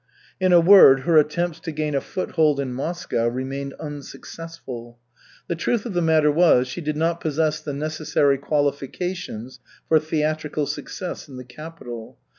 In a word, her attempts to gain a foothold in Moscow remained unsuccessful. The truth of the matter was, she did not possess the necessary qualifications for theatrical success in the capital.